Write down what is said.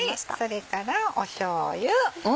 それからしょうゆ。